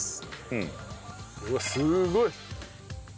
うわっすごい！